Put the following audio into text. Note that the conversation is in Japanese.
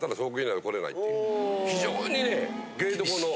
非常にね。